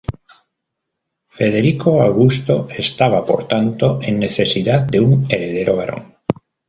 Federico Augusto estaba por tanto en necesidad de un heredero varón.